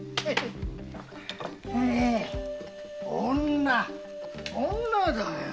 女女だよ。